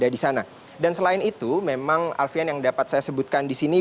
dan selain itu memang alfian yang dapat saya sebutkan disini